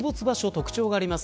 特徴があります。